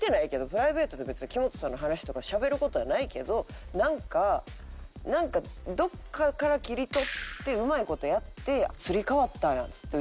プライベートで別に木本さんの話とかしゃべる事はないけどなんかなんかどっかから切り取ってうまい事やってすり替わったんやっつって。